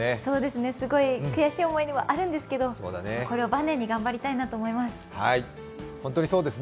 すごい悔しい思いもあるんですけどこれをバネに頑張りたいなと思います。